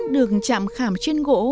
được chạm khảm trên gỗ